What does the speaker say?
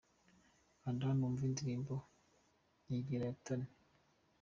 Kanda hano wumve indirimbo Nyegera ya Tonny.